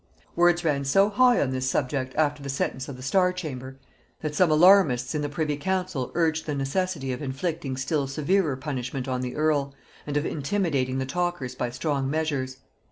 Words ran so high on this subject after the sentence of the Star chamber, that some alarmists in the privy council urged the necessity of inflicting still severer punishment on the earl, and of intimidating the talkers by strong measures.